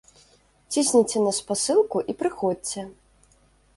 Цісніце на спасылку і прыходзьце!